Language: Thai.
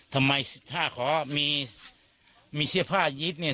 ทำไมถ้าขอมีเสื้อผ้ายึดเนี่ย